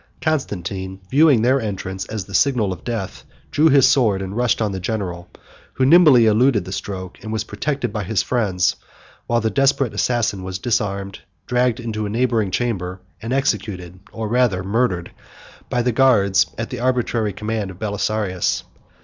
Constantine, viewing their entrance as the signal of death, drew his sword, and rushed on the general, who nimbly eluded the stroke, and was protected by his friends; while the desperate assassin was disarmed, dragged into a neighboring chamber, and executed, or rather murdered, by the guards, at the arbitrary command of Belisarius.